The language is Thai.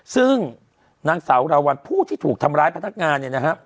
ซึ่งนางสาวแหลววันผู้ที่ถูกทำลายพนักงาน